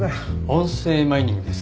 音声マイニングですか。